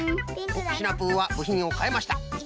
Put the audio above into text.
おっシナプーはぶひんをかえました。